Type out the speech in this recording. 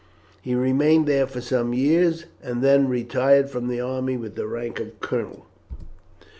He remained there for some years, and then retired from the army with the rank of colonel.